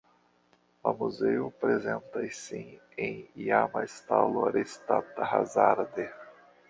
La muzeo prezentas sin en iama stalo restanta hazarde.